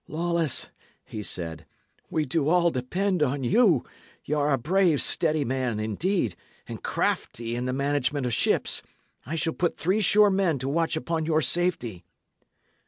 "Lawless," he said, "we do all depend on you; y' are a brave, steady man, indeed, and crafty in the management of ships; I shall put three sure men to watch upon your safety."